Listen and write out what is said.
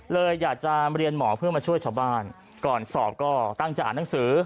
เลยอยากจะเรียนหมอเพื่อมาช่วยชาวบ้านก่อนสอบก็ตั้งจะอ่านหนังสือ